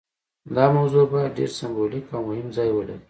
دا موضوع باید ډیر سمبولیک او مهم ځای ولري.